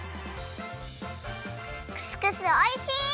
クスクスおいしい！